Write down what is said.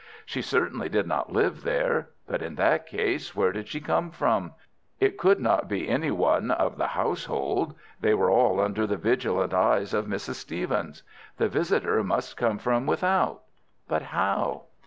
She certainly did not live there. But in that case where did she come from? It could not be any one of the household. They were all under the vigilant eyes of Mrs. Stevens. The visitor must come from without. But how?